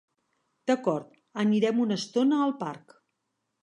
D'acord, anirem una estona al parc.